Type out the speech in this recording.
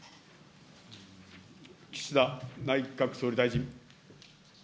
岸田内閣総理大臣。